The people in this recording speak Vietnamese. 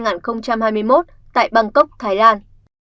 năm hai nghìn hai mươi một tại bangkok thái lan